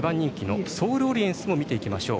２番人気のソールオリエンスも見ていきましょう。